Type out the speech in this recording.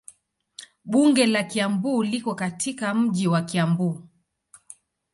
Bunge la Kiambu liko katika mji wa Kiambu.